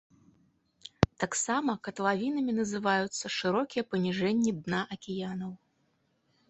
Таксама катлавінамі называюцца шырокія паніжэнні дна акіянаў.